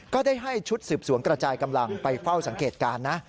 ก็ได้ให้ชุดสืบสวนกระจายกำลังไปเฝ้าสังเกตการณ์นะ